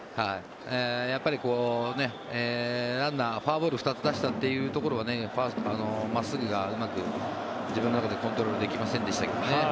やっぱりランナー、フォアボール２つ出したというところは真っすぐがうまく自分の中でコントロールできませんでしたけどね